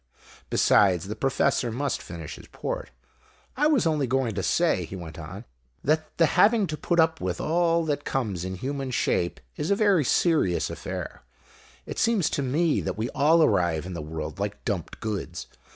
Besides, the Professor must finish his port. I was only going to say," he went on, "that the having to put up with all that comes in human shape is a very serious affair. It seems to me that we all arrive in the world like dumped goods.